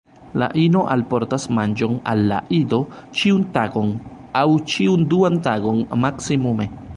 La ino alportas manĝon al la ido ĉiun tagon aŭ ĉiun duan tagon maksimume.